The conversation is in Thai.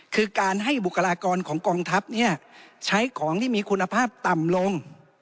คือการให้บุคลากรของกองทัพใช้ของที่มีคุณภาพต่ำลง